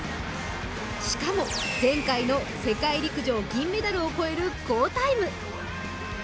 しかも、前回の世界陸上銀メダルを超える好タイム。